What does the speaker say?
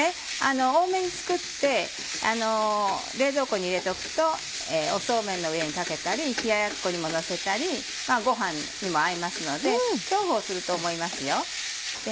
多めに作って冷蔵庫に入れておくとそうめんの上にかけたり冷ややっこにものせたりご飯にも合いますので重宝すると思いますよ。